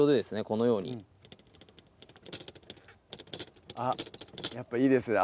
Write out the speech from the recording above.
このようにあっやっぱいいですね